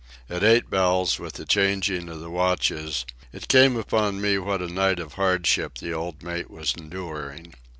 At eight bells, with the changing of the watches, it came upon me what a night of hardship the old mate was enduring.